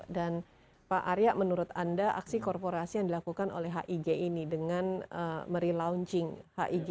dan pak arya menurut anda aksi korporasi yang dilakukan oleh hig ini dengan merelaunching hig